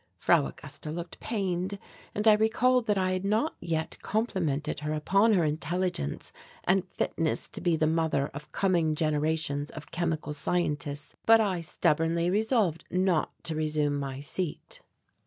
Frau Augusta looked pained and I recalled that I had not yet complimented her upon her intelligence and fitness to be the mother of coming generations of chemical scientists, but I stubbornly resolved not to resume my seat.